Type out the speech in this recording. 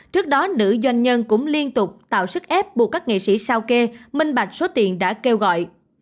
trước đó nữ doanh nhân cũng liên tục tạo sức ép buộc các nghệ sĩ sao kê minh bạch số tiền đã kêu gọi